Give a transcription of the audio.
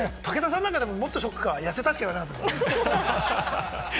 武田さん、なんかもっとショックなのか、「やせた」しかなかったもん。